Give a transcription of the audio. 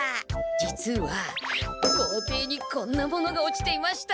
実は校庭にこんなものが落ちていました。